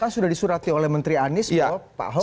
sudah disuraki oleh menteri anies bahwa pak ahok